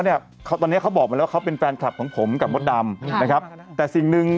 เดี๋ยวก่อนขอมีเวลาของคุณอุ๊ยสักนิดนึง